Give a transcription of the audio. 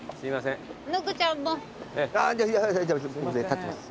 立ってます。